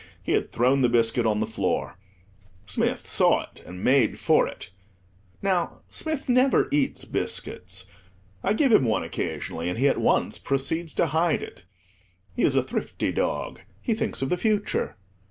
He had thrown the biscuit on the floor. Smith saw it and made for it. Now Smith never eats biscuits. I give him one occasionally, and he at once proceeds to hide it. He is a thrifty dog; he thinks of the future.